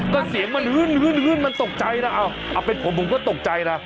ก็เสียงมันฮื่นมันตกใจนะเอาเป็นผมผมก็ตกใจนะ